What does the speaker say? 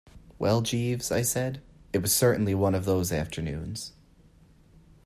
"Well, Jeeves," I said, "it was certainly one of those afternoons."